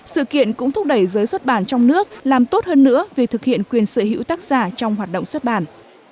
sự kiện cũng thúc đẩy giới xuất bản trong nước làm tốt hơn nữa về thực hiện quyền sở hữu tác giả trong hoạt động xuất bản